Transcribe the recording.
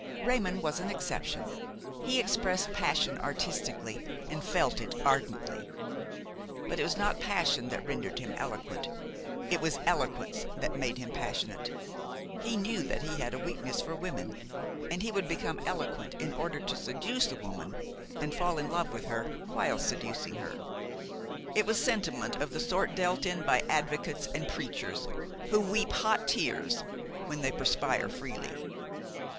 Raymon was an exception; he expressed passion artistically and felt it ardently. But it was not passion that rendered him eloquent, it was eloquence that made him passionate. He knew that he had a weakness for women, and he would become eloquent in order to seduce a woman and fall in love with her while seducing her. It was sentiment of the sort dealt in by advocates and preachers, who weep hot tears when they perspire freely.